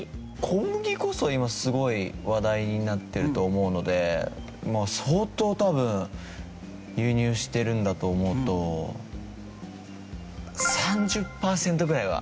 小麦こそ今すごい話題になってると思うので相当多分輸入してるんだと思うと３０パーセントぐらいは。